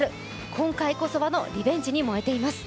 今回こそはのリベンジに燃えています。